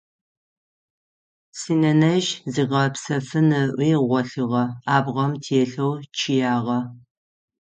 Синэнэжъ зигъэпсэфын ыӏуи гъолъыгъэ, абгъэм телъэу чъыягъэ.